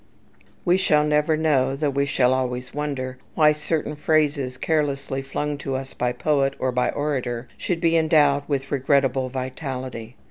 We shall never know, though we shall always wonder, why certain phrases, carelessly flung to us by poet or by orator, should be endowed with regrettable vitality.